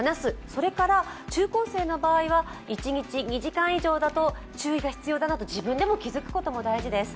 それから中高生の場合は一日２時間以上だと注意が必要だなと自分でも気付くことも大事です。